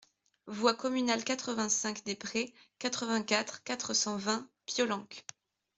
Voie Communale quatre-vingt-cinq des Prés, quatre-vingt-quatre, quatre cent vingt Piolenc